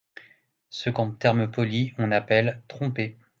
Ce qu’en termes polis on appelle… trompé !